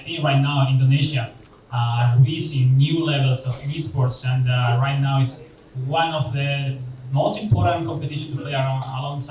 dan saya pikir sekarang di indonesia kita melihat level baru di esports dan sekarang ini adalah salah satu pertempuran yang paling penting di luar sana